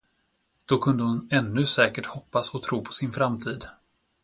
Då kunde hon ännu säkert hoppas och tro på sin framtid.